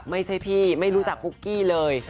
ไม่ใช่พี่ไม่รู้จักปุ๊กกี้เลย